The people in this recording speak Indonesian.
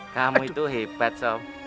kamu itu hebat sam